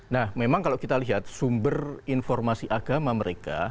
nah memang kalau kita lihat sumber informasi agama mereka